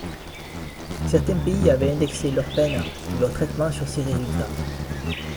Certains pays avaient indexé leurs peines ou leurs traitements sur ses résultats.